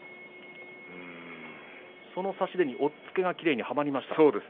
その差し手に、押っつけがきれいにはまりました。